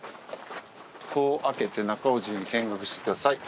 ここを開けて中を自由に見学してください。